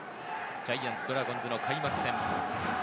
ジャイアンツ、ドラゴンズの開幕戦。